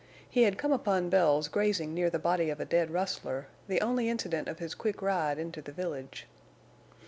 He had come upon Bells grazing near the body of a dead rustler, the only incident of his quick ride into the village.